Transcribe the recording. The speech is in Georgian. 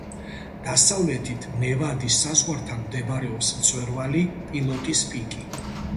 დასავლეთით, ნევადის საზღვართან მდებარეობს მწვერვალი პილოტის პიკი.